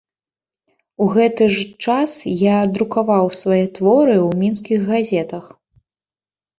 У гэты ж час я друкаваў свае творы ў мінскіх газетах.